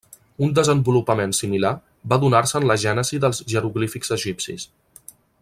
Un desenvolupament similar va donar-se en la gènesi dels jeroglífics egipcis.